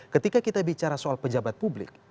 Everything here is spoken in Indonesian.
ketika kita bicara soal pejabat publik